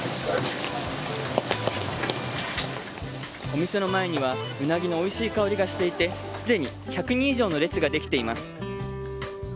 お店の前にはウナギのおいしい香りがしていてすでに１００人以上の列ができています。